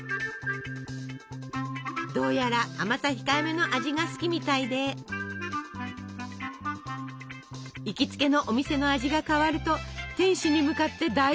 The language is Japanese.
どうやら甘さ控えめの味が好きみたいで行きつけのお店の味が変わると店主に向かって大抗議！